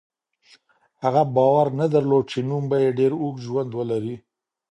هغه باور نه درلود چې نوم به یې ډېر اوږد ژوند ولري.